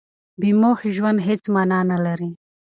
بې موخې ژوند هېڅ مانا نه لري.